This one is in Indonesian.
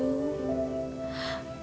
tolong bukakan pintu hati ibu